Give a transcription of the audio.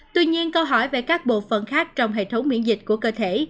tuy nhiên câu hỏi về các bộ phận khác trong hệ thống miễn dịch của cơ thể